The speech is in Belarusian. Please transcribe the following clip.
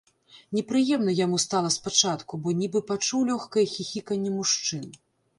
Непрыемна яму стала спачатку, бо нібы пачуў лёгкае хіхіканне мужчын.